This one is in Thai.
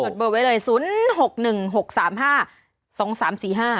เบอร์ไว้เลยศูนย์หกหนึ่งหกสามห้าสองสามสี่ห้า